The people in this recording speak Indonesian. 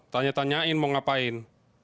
tanya tanyain mau ngapain